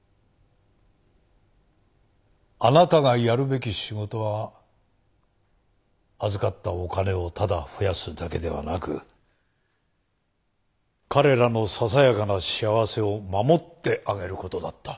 あなたがやるべき仕事は預かったお金をただ増やすだけではなく彼らのささやかな幸せを守ってあげる事だった。